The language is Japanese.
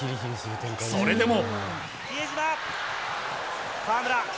それでも。